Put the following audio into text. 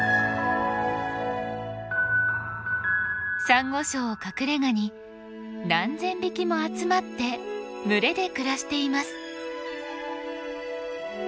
サンゴ礁を隠れがに何千匹も集まって群れで暮らしています。